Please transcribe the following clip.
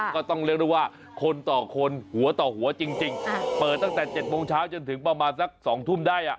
ก็ต้องเรียกได้ว่าคนต่อคนหัวต่อหัวจริงเปิดตั้งแต่๗โมงเช้าจนถึงประมาณสัก๒ทุ่มได้